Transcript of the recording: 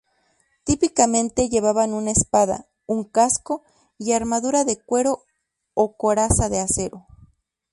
Típicamente llevaban una espada, un casco y armadura de cuero o coraza de acero.